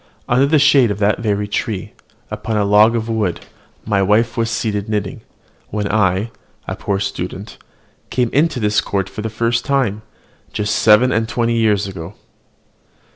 Under the shade of that very tree, upon a log of wood, my wife was seated knitting, when I, a poor student, came into this court for the first time, just seven and twenty years ago."